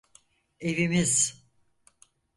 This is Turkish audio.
Evimiz.